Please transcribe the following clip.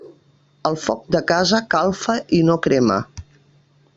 El foc de casa calfa i no crema.